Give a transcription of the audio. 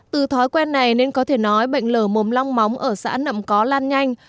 từ thói quen này nên có thể nói bệnh lở mồm long móng ở xã nậm có lan nhanh